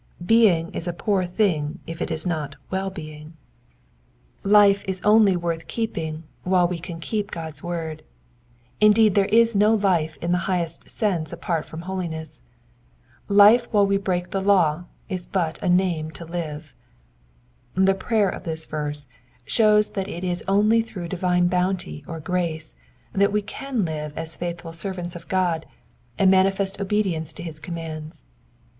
Being is a poor thing; if it be not well being. Life ia» 4^ Digitized by VjOOQIC 50 EXPOSITIONS OF THE PSALMS. only worth keeping while we can keep God*8 word ; indeed, there is no life in the highest sense apart from holiness : life while we break the law is but a name to lire. The prayer of this verse shows that it is only through divine bounty or grace that we can live as faithful servants of Gk>d, and manifest obedience to bis commands.